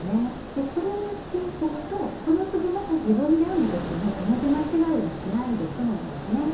でそれをやっておくとこの次また自分で編む時に同じ間違えをしないで済むんですね。